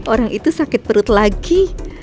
orang itu sakit perut lagi